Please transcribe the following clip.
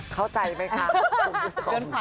เข้าใจมั้ยคะ